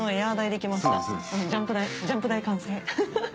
ジャンプ台完成フフフ。